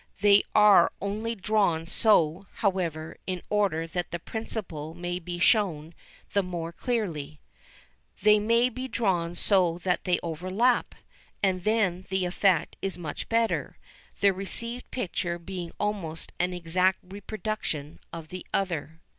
They are only drawn so, however, in order that the principle may be shown the more clearly. They may be drawn so that they overlap, and then the effect is very much better, the received picture being almost an exact reproduction of the other.